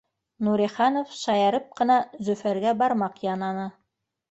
Нуриханов шаярып ҡына Зөфәргә бармаҡ янаны